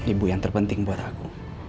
ibu yang terpenting buat aku